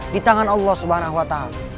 di tangan allah swt